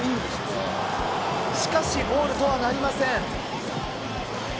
しかし、ゴールとはなりません。